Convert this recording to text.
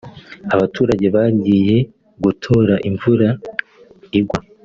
abaturage bagiye gutoraimvura igwa